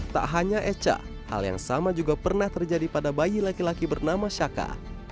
tak hanya echa hal yang sama juga pernah terjadi pada bayi laki laki bernama syaka